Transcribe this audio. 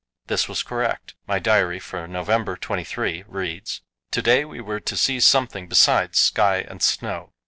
This was correct. My diary for November 23 reads: "To day we were to see something besides sky and snow.